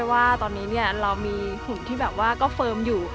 ว่าตอนนี้เรามีหุ่นที่แบบว่าก็เฟิร์มอยู่